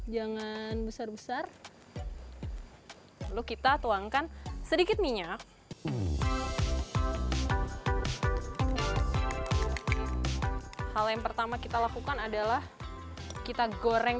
jangan besar besar lalu kita tuangkan sedikit minyak hal yang pertama kita lakukan adalah kita goreng